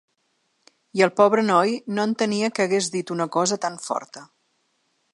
I el pobre noi no entenia que hagués dit una cosa tan forta.